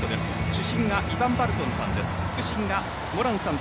主審がイヴァン・バルトンさんです。